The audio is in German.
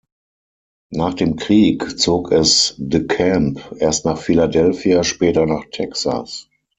Nach dem Krieg zog es De Camp erst nach Philadelphia, später nach Texas.